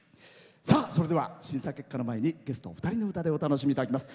それでは審査結果の前にゲストお二人の歌でお楽しみいただきます。